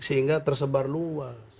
sehingga tersebar luas